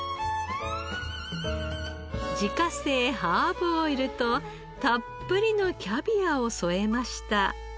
自家製ハーブオイルとたっぷりのキャビアを添えました。